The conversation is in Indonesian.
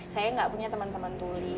saya nggak punya teman teman tuli